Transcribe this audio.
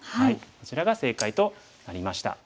こちらが正解となりました。